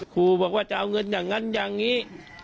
ครูบอกว่าจะเอาเงินอย่างนั้นอย่างนี้